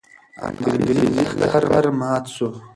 انګریزي لښکر مات سو.